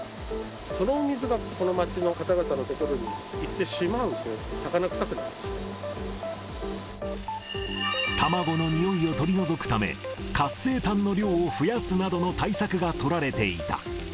その水がこの町の方々の所に行ってしまうと、卵のにおいを取り除くため、活性炭の量を増やすなどの対策が取られていた。